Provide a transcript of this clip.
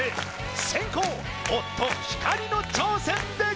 先攻夫・光の挑戦です！